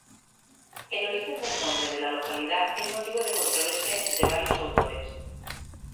El origen del nombre de la localidad es motivo de controversia entre varios autores.